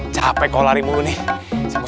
capek gelarimu nih